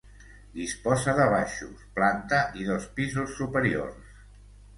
Disposa de baixos, planta i dos pisos superiors.